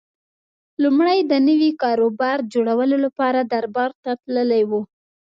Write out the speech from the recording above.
لومړی د نوي کاروبار جوړولو لپاره دربار ته تللی و